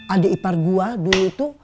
adik ipar gua dulu itu